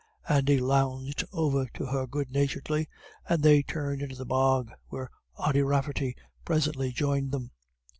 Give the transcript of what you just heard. Andy lounged over to her goodnaturedly, and they turned into the bog, where Ody Rafferty presently joined them.